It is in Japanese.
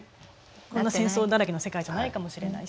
こんな戦争だらけの世界じゃないかもしれないし。